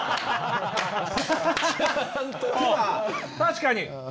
確かに！